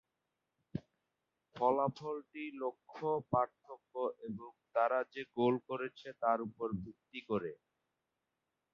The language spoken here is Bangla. ফলাফলটি লক্ষ্য পার্থক্য এবং তারা যে গোল করেছে তার উপর ভিত্তি করে।